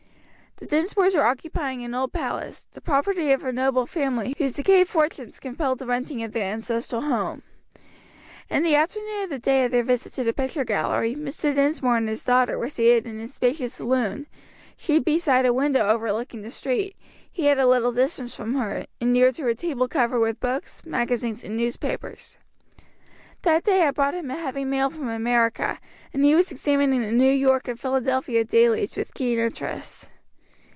The Dinsmores were occupying an old palace, the property of a noble family whose decayed fortunes compelled the renting of their ancestral home. In the afternoon of the day of their visit to the picture gallery Mr. Dinsmore and his daughter were seated in its spacious saloon, she beside a window overlooking the street, he at a little distance from her, and near to a table covered with books, magazines, and newspapers. That day had brought him a heavy mail from America, and he was examining the New York and Philadelphia dailies with keen interest.